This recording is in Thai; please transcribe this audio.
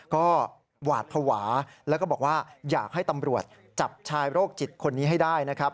ก็หวาดภาวะแล้วก็บอกว่าอยากให้ตำรวจจับชายโรคจิตคนนี้ให้ได้นะครับ